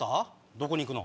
どこに行くの？